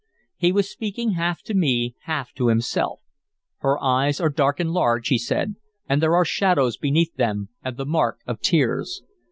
He was speaking half to me, half to himself. "Her eyes are dark and large," he said, "and there are shadows beneath them, and the mark of tears.